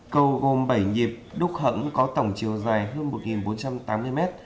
cầu gồm bảy nhịp đúc hẫng có tổng chiều dài hơn một bốn trăm tám mươi m